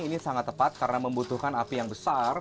ini sangat tepat karena membutuhkan api yang besar